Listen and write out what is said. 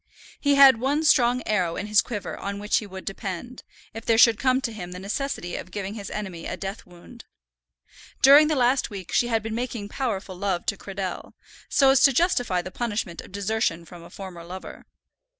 He had one strong arrow in his quiver on which he would depend, if there should come to him the necessity of giving his enemy a death wound. During the last week she had been making powerful love to Cradell, so as to justify the punishment of desertion from a former lover.